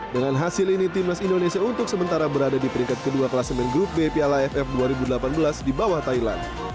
dengan hasil ini timnas indonesia untuk sementara berada di peringkat kedua kelas main grup b piala aff dua ribu delapan belas di bawah thailand